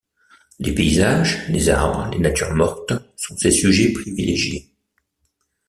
Les paysages, les arbres, les natures mortes sont ses sujets privilégiés.